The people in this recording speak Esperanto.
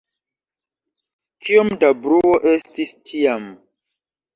Kiom da bruo estis tiam..